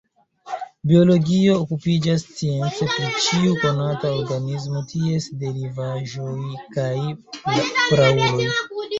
Biologio okupiĝas science pri ĉiu konata organismo, ties derivaĵoj kaj prauloj.